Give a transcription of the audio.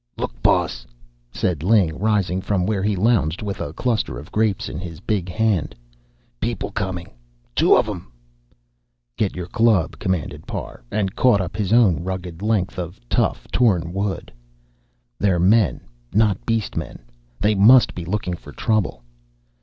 "Look, boss," said Ling, rising from where he lounged with a cluster of grapes in his big hand. "People coming two of 'em." "Get your club," commanded Parr, and caught up his own rugged length of tough torn wood. "They're men, not beast men they must be looking for trouble."